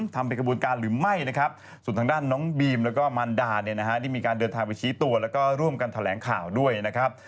ทางด้านเนี่ยนะฮะที่มีการเดินทางไปชี้ตัวแล้วก็ร่วมกันแถวแหลงข่าวด้วยนะครับ